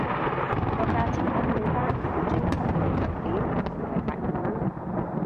個價錢更正返係專輯連特典盛惠百二蚊